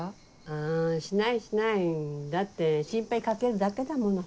あしないしないだって心配かけるだけだもの。